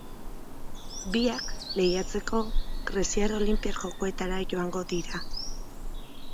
Biak, lehiatzeko, greziar Olinpiar Jokoetara joango dira.